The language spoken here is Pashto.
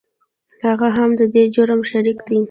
هغه هم د دې جرم شریک دی .